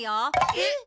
えっ？